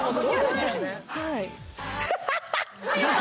はい。